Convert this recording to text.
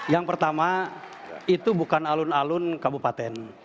yang pertama itu bukan alun alun kabupaten